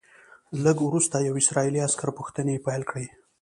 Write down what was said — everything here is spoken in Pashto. لږ وروسته یوې اسرائیلي عسکرې پوښتنې پیل کړې.